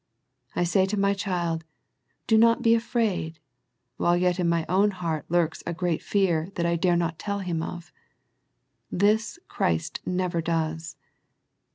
I say to my child Do not be afraid, while yet in my own heart lurks a great fear that I dare not tell him of. This Christ never does.